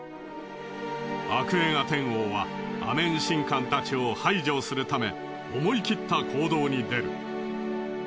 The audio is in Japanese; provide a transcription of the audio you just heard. アクエンアテン王はアメン神官たちを排除するため思いきった行動に出る。